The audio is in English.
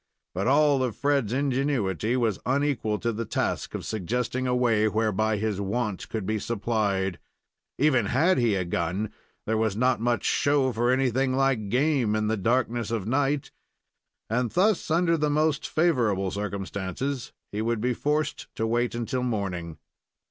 But all of Fred's ingenuity was unequal to the task of suggesting a way whereby his want could be supplied. Even had he a gun, there was not much show for anything like game in the darkness of night, and thus, under the most favorable circumstances, he would be forced to wait until morning.